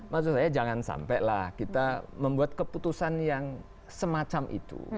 maksud saya jangan sampai lah kita membuat keputusan yang semacam itu